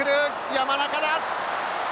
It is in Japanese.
山中だ！